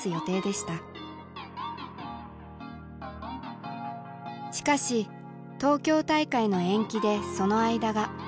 しかし東京大会の延期でその間が僅か半年に。